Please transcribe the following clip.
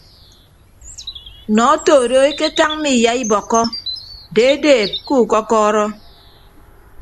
Nọ oto do eketañ mme iyaibọkkọ deedeeb ku kọkọrọ.